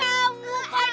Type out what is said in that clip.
aduh aduh aduh